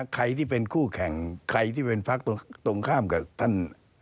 ใครที่เป็นคู่แข่งใครที่เป็นพักตรงข้ามกับท่าน